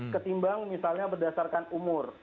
ketimbang misalnya berdasarkan umur